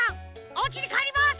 おうちにかえります！